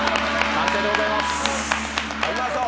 完成でございます。